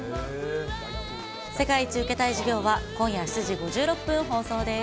世界一受けたい授業は今夜７時５６分放送です。